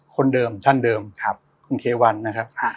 คนเดิมท่านเดิมคุณเทวันนะครับ